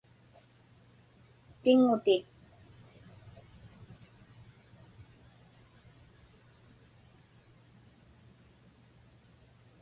tiŋŋuti